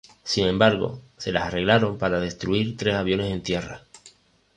Sin embargo, se las arreglaron para destruir tres aviones en tierra.